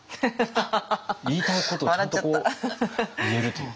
言いたいことちゃんと言えるというか。